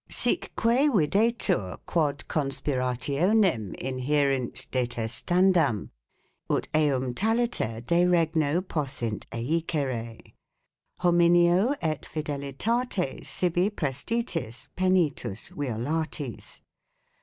^ sicque uidetur quod conspirationem inhierint de testandam ; ut eum taliter de Regno possint eicere. 3 hominio et fidelitate sibi prestitis penitus uiolatis.